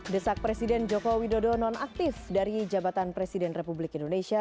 desak presiden joko widodo nonaktif dari jabatan presiden republik indonesia